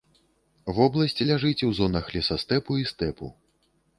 Вобласць ляжыць у зонах лесастэпу і стэпу.